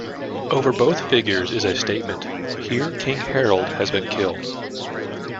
Over both figures is a statement "Here King Harold has been killed".